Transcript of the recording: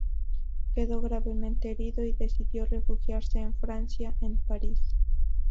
Quedó gravemente herido y decidió refugiarse en Francia, en París.